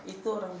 itu orang bnp dua